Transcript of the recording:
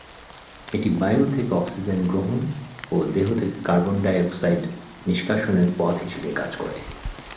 এটি বায়ুর থেকে অক্সিজেন গ্রহণ ও দেহ থেকে কার্বন-ডাই-অক্সাইড নিষ্কাশনের পথ হিসাবে কাজ করে।